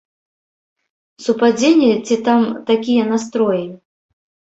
Супадзенне ці там такія настроі?